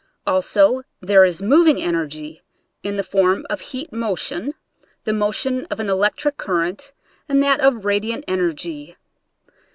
Also there is moving energy in the form of heat motion, the motion of an electric current and that of radiant energy.